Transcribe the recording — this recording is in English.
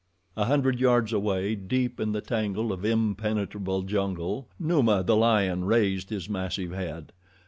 A hundred yards away, deep in the tangle of impenetrable jungle, Numa, the lion, raised his massive head.